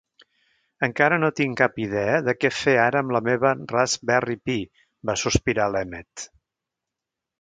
"Encara no tinc cap idea de què fer ara amb la meva Raspberry Pi", va sospirar l'Emmett.